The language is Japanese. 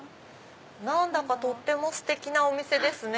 とってもステキなお店ですね。